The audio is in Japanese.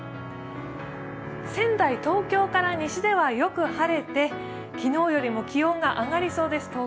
仙台、東京から西ではよく晴れて、昨日よりも気温が上がりそうです。